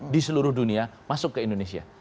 di seluruh dunia masuk ke indonesia